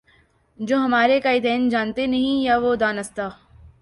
جو ہمارے قائدین جانتے نہیں یا وہ دانستہ